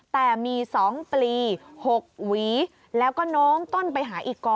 แต่มี๒ปลี๖หวีแล้วก็โน้มต้นไปหาอีกก่อ